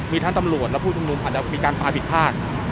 มีท่านตำรวจและผู้ชมนุมอาจจะมีการปลาผิดภาค